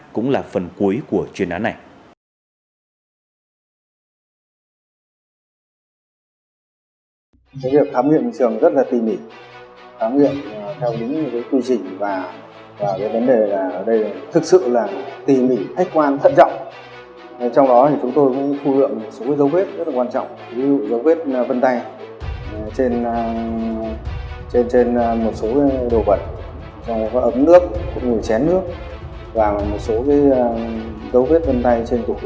cũng là phần cuối của chuyên án này